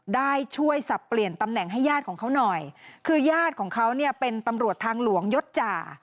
ได้ช่วยสับเปลี่ยนตำแหน่งให้ญาติของเขาหน่อยคือญาติของเขาเนี่ยเป็นตำรวจทางหลวงยศจ่า